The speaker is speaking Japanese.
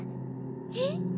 えっ？